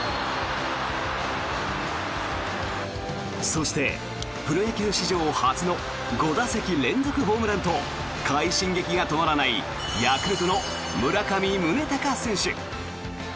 そして、プロ野球史上初の５打席連続ホームランと快進撃が止まらないヤクルトの村上宗隆選手。